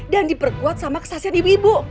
dan diperkuat sama kesahsian ibu ibu